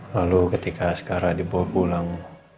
lalu ketika sekarang dibawa pulang